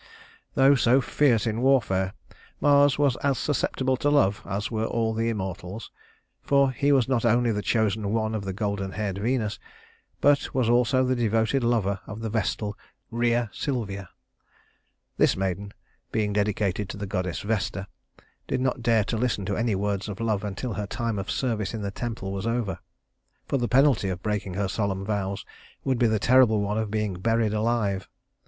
Though so fierce in warfare, Mars was as susceptible to love as were all the immortals; for he was not only the chosen one of golden haired Venus, but was also the devoted lover of the vestal Rhea Silvia. This maiden, being dedicated to the goddess Vesta, did not dare to listen to any words of love until her time of service in the temple was over; for the penalty of breaking her solemn vows would be the terrible one of being buried alive.